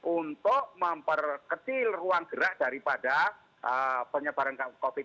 untuk memperkecil ruang gerak daripada penyebaran covid sembilan belas